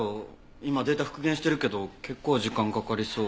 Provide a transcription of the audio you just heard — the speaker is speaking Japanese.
今データ復元してるけど結構時間かかりそう。